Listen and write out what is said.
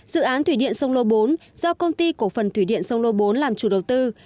dự án thủy điện sông lô bốn do công ty cổ phần thủy điện sông lô bốn làm chủ đầu tư